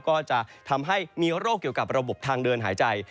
ก็จะทำให้มีโรคเกี่ยวกับระบบทางเดินหายใจ